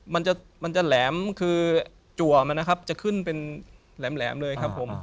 มันจะมันจะแหลมคือจัวมันนะครับจะขึ้นเป็นแหลมเลยครับผม